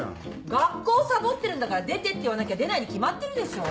学校サボってるんだから「出て」って言わなきゃ出ないに決まってるでしょ？